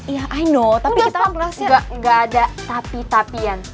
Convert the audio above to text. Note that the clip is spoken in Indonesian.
iya i know tapi kita gak ada tapi tapian